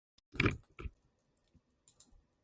新宿で寝る人